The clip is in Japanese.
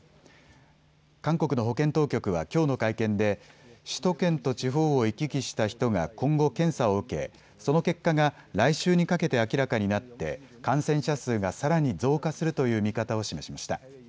韓国の保健当局はきょうの会見で首都圏と地方を行き来した人が今後、検査を受け、その結果が来週にかけて明らかになって感染者数がさらに増加するという見方を示しました。